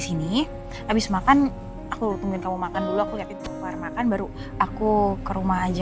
sini habis makan aku minta kamu makan dulu aku lihat itu keluar makan baru aku ke rumah aja